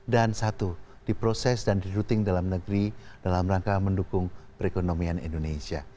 dan satu diproses dan di rooting dalam negeri dalam rangka mendukung perekonomian indonesia